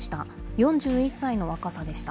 ４１歳の若さでした。